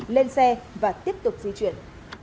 lên xe và tiếp tục di chuyển